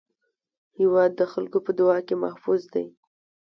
هېواد د خلکو په دعا کې محفوظ دی.